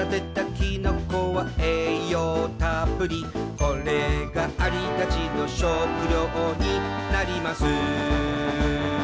「これがアリたちの食料になります」